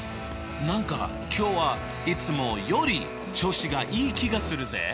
何か今日はいつもより調子がいい気がするぜ！